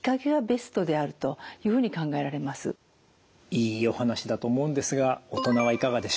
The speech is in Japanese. いいお話だと思うんですが大人はいかがでしょう？